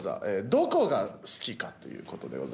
どこが好きかということでございます。